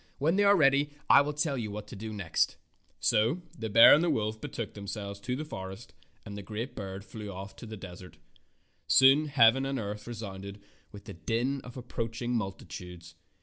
When they are ready I will tell you what to do next." So the bear and wolf betook themselves to the forest, and the great bird flew off to the desert. Soon heaven and earth resounded with the din of approaching multitudes.